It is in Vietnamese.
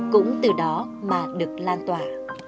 cũng từ đó mà được lan tỏa